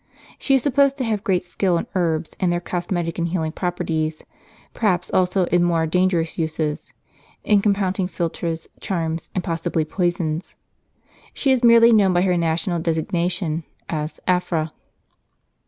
She is supposed to have great skill in herbs, and their cosmetic and healing properties, perhaps also in more dangerous uses — in compounding philtres, charms, and possibly poisons. She is merely known by her national designation as Afra.